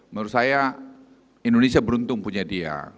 menurut saya indonesia beruntung punya dia